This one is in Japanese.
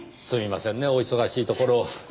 すみませんねお忙しいところを。